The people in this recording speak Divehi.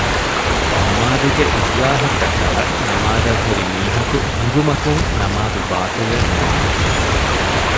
ނަމާދުގެއިޞްލާޙަށްޓަކައި ނަމާދަށްހުރިމީހަކު ހިނގުމަކުން ނަމާދު ބާޠިލެއް ނުވާނެ